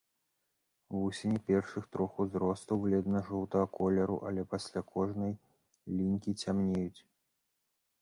Вусені першых трох узростаў бледна-жоўтага колеру, але пасля кожнай лінькі цямнеюць.